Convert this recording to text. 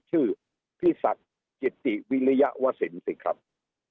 ชื่อพี่ศักดิ์จิตติวิริยวสินสิครับ